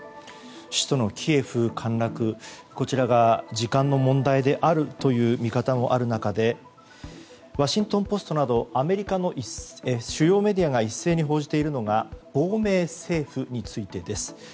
首都のキエフ陥落が時間の問題であるという見方もある中でワシントン・ポストなどアメリカの主要メディアが一斉に報じているのが亡命政府についてです。